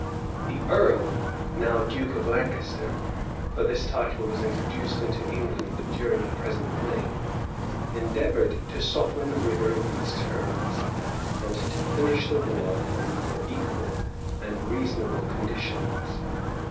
The earl, now duke of Lancaster, (for this, title was introduced into England during the present reign,) endeavored to soften the rigor of these terms, and to finish the war on more equal and reasonable conditions.